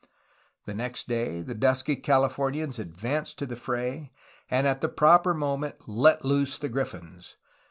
The next day the dusky Calif ornians advanced to the fray, and at the proper moment let loose the griffins.